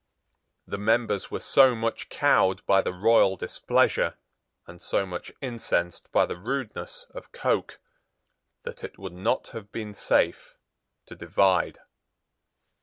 The members were so much cowed by the royal displeasure, and so much incensed by the rudeness of Coke, that it would not have been safe to divide.